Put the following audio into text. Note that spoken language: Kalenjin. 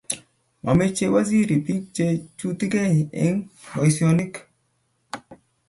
mameche waziri biik che ichutigei eng' boisionik